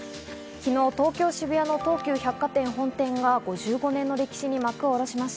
昨日、東京・渋谷の東急百貨店本店が５５年の歴史に幕を下ろしました。